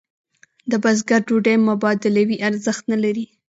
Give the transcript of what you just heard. د بزګر ډوډۍ مبادلوي ارزښت نه لري.